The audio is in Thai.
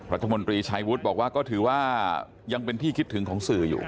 รัฐมนตรีชัยวุฒิบอกว่าก็ถือว่ายังเป็นที่คิดถึงของสื่ออยู่